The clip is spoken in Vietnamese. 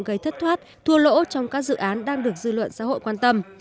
gây thất thoát thua lỗ trong các dự án đang được dư luận xã hội quan tâm